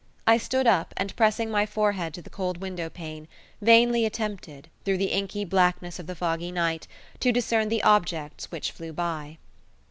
I stood up, and pressing my forehead to the cold window pane, vainly attempted, through the inky blackness of the foggy night, to discern the objects which flew by.